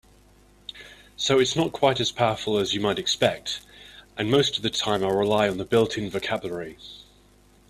So it's not quite as powerful as you might expect, and most of the time I rely on the built-in vocabulary.